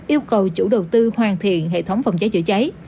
yêu cầu chủ đầu tư hoàn thiện hệ thống phòng cháy chữa cháy